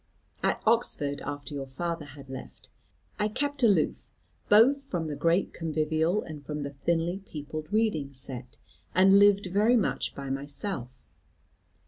At Oxford, after your father had left, I kept aloof both from the great convivial and from the thinly peopled reading set, and lived very much by myself.